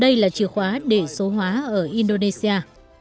đây là chìa khóa để số hóa ở indonesia